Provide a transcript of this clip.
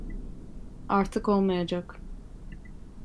Artık olmayacak.